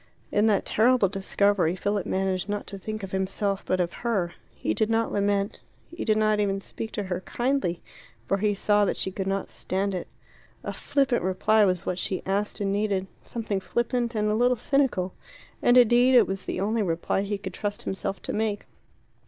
In that terrible discovery Philip managed to think not of himself but of her. He did not lament. He did not even speak to her kindly, for he saw that she could not stand it. A flippant reply was what she asked and needed something flippant and a little cynical. And indeed it was the only reply he could trust himself to make.